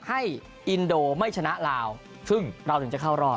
อินโดไม่ชนะลาวซึ่งเราถึงจะเข้ารอบ